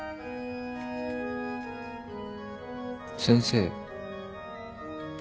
先生。